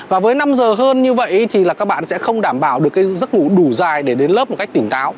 và với năm giờ hơn như vậy thì là các bạn sẽ không đảm bảo được cái giấc ngủ đủ dài để đến lớp một cách tỉnh táo